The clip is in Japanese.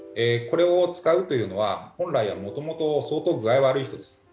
これを使うというのは本来、もともと相当具合が悪い人です。